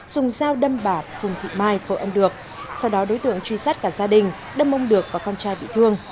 dùng dao đâm bạc phùng thịt mai vội âm được sau đó đối tượng truy sát cả gia đình đâm ông được và con trai bị thương